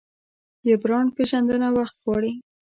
د برانډ پیژندنه وخت غواړي.